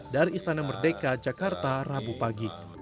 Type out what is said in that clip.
dari istana merdeka jakarta rabu pagi